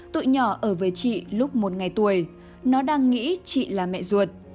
tuổi nhỏ ở với chị lúc một ngày tuổi nó đang nghĩ chị là mẹ ruột